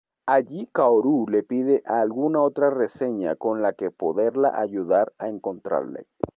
Allí, Kaoru le pide alguna otra reseña con la que poderla ayudar a encontrarle.